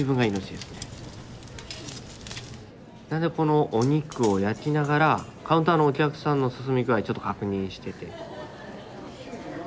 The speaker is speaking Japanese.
なんでこのお肉を焼きながらカウンターのお客さんの進み具合ちょっと確認してて。